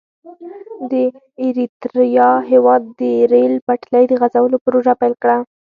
د اریتریا هېواد د ریل پټلۍ د غزولو پروژه پیل کړه.